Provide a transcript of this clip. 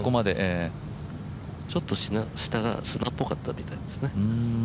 ちょっと下が砂っぽかったみたいですね。